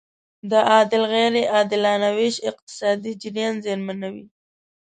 د عاید غیر عادلانه ویش اقتصادي جریان زیانمنوي.